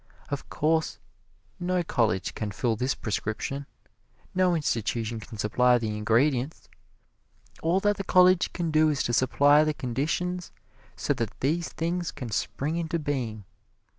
Of course no college can fill this prescription no institution can supply the ingredients all that the college can do is to supply the conditions so that these things can spring into being.